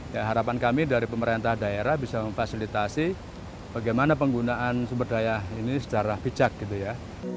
ya harapan kami dari pemerintah daerah bisa memfasilitasi bagaimana penggunaan sumber daya ini secara bijak gitu ya